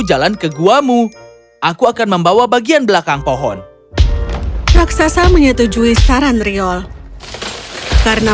jalan ke guamu aku akan membawa bagian belakang pohon raksasa menyetujui saran riol karena